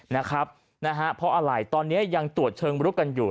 นะฮะนะฮะเพราะอะไรตอนนี้ยังตรวจเชิงรุกกันอยู่